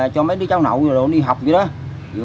cho mấy đứa cháu nậu đi học vậy đó